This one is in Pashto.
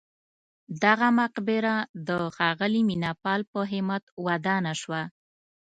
دغه مقبره د ښاغلي مینه پال په همت ودانه شوه.